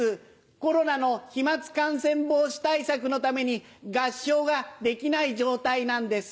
コロナの飛まつ感染防止対策のために合唱ができない状態なんです。